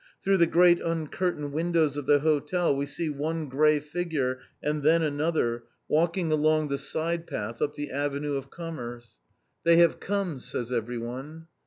Through the great uncurtained windows of the hotel we see one grey figure, and then another, walking along the side path up the Avenue de Commerce. "They have come!" says everyone.